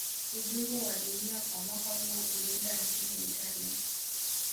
Ubingwa wa dunia kwa mwaka huo ulienda nchini italia